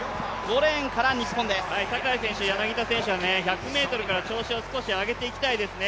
坂井選手、柳田選手は１００ｍから調子を少し上げていきたいですね。